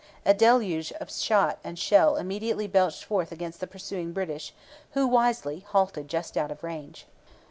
A deluge of shot and shell immediately belched forth against the pursuing British, who wisely halted just out of range.